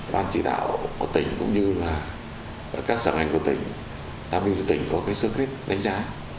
ban chỉ đạo của tỉnh cũng như các xã hội của tỉnh tạm biệt là tỉnh có sơ kết đánh giá